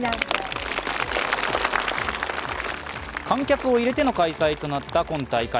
観客を入れての開催となった今大会。